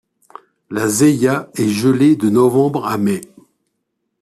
La Zeïa est gelée de novembre à mai.